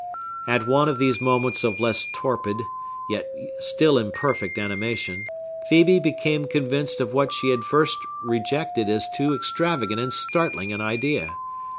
At one of these moments of less torpid, yet still imperfect animation, Phœbe became convinced of what she had at first rejected as too extravagant and startling an idea.